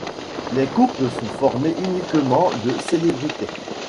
Les couples sont formés uniquement de célébrités.